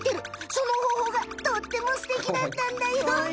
その方法がとってもすてきだったんだよ！